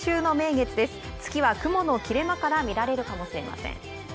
月は雲の切れ間から見られるかもしれません。